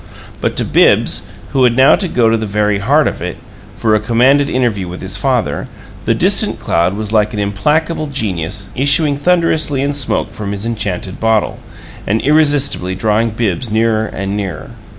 But to Bibbs, who had now to go to the very heart of it, for a commanded interview with his father, the distant cloud was like an implacable genius issuing thunderously in smoke from his enchanted bottle, and irresistibly drawing Bibbs nearer and nearer.